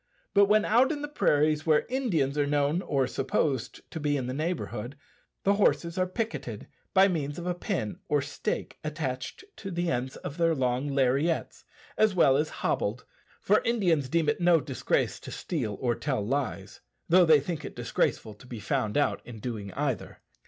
But when out in the prairies where Indians are known or supposed to be in the neighbourhood, the horses are picketed by means of a pin or stake attached to the ends of their long lariats, as well as hobbled; for Indians deem it no disgrace to steal or tell lies, though they think it disgraceful to be found out in doing either.